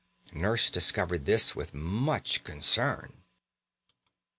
Nurse discovered this with much concern.